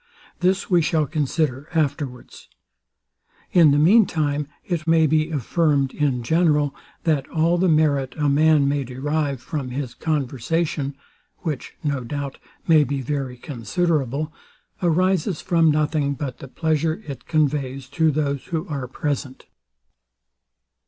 This we shall consider afterwards. In the mean time it may be affirmed in general, that all the merit a man may derive from his conversation (which, no doubt, may be very considerable) arises from nothing but the pleasure it conveys to those who are present.